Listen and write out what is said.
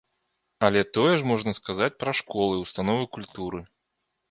Але тое ж можна сказаць пра школы, установы культуры.